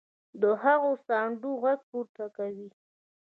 د هغو ساندو غږ پورته کوي.